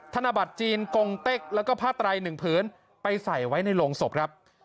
ตรงเต็กแล้วก็ผ้าไตรหนึ่งพื้นไปใส่ไว้ในโรงศพครับ